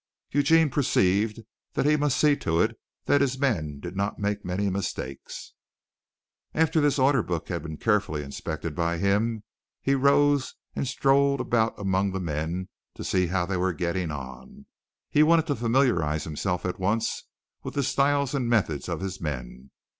Eugene perceived that he must see to it that his men did not make many mistakes. After this order book had been carefully inspected by him, he rose and strolled about among the men to see how they were getting on. He wanted to familiarize himself at once with the styles and methods of his men.